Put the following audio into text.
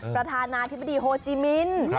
ประธานาธิบดีโฮจิมิน